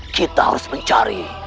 kita harus mencari